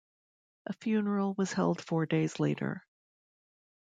A funeral was held four days later.